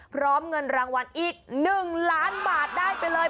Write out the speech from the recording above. พร้อมเงินรางวัลอีก๑ล้านบาทได้ไปเลย